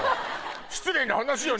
失礼な話よね。